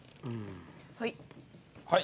はい。